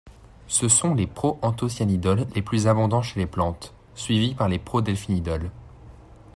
Ce sont les proanthocyanidols les plus abondants chez les plantes, suivis par les prodelphinidols.